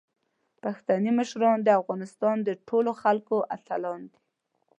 پښتني مشران د افغانستان د ټولو خلکو اتلان دي.